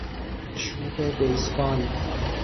چوب بیسبال